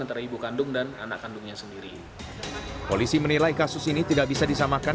antara ibu kandung dan anak kandungnya sendiri polisi menilai kasus ini tidak bisa disamakan